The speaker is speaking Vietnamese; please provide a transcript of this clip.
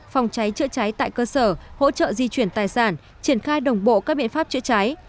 phòng cháy chữa cháy tại cơ sở hỗ trợ di chuyển tài sản triển khai đồng bộ các biện pháp chữa cháy